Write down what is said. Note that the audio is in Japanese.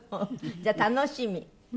じゃあ楽しみ？